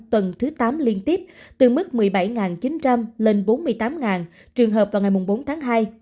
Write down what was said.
tuần thứ tám liên tiếp từ mức một mươi bảy chín trăm linh lên bốn mươi tám trường hợp vào ngày bốn tháng hai